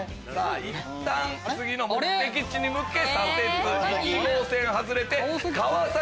いったん次の目的地に向け左折１号線外れて。